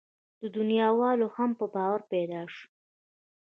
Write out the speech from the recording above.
دنياوالو هم باور پيدا شو.